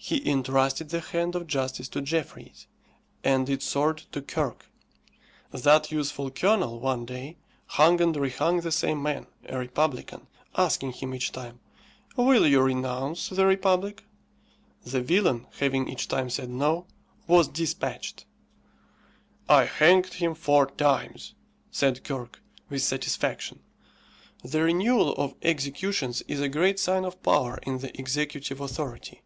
He entrusted the hand of justice to Jeffreys, and its sword to Kirke. That useful Colonel, one day, hung and rehung the same man, a republican, asking him each time, "Will you renounce the republic?" The villain, having each time said "No," was dispatched. "I hanged him four times," said Kirke, with satisfaction. The renewal of executions is a great sign of power in the executive authority.